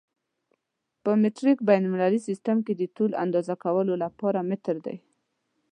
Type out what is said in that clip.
په مټریک بین المللي سیسټم کې د طول اندازه کولو لپاره متر دی.